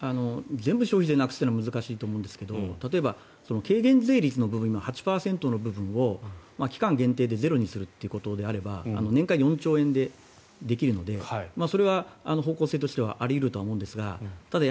全部消費税をなくすというのは難しいと思うんですが例えば、軽減税率の部分８％の部分を期間限定で０にするということであれば年間４兆円でできるのでそれは方向性としてはあり得ると思うんですがただ、